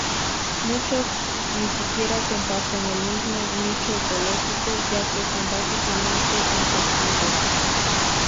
Muchos ni siquiera comparten el mismo nicho ecológico, ya que son básicamente insectívoros.